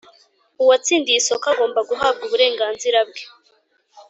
Uwatsindiye isoko agomba guhabwa uburenganzira bwe